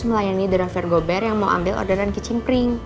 melayani driver gober yang mau ambil orderan kitchen print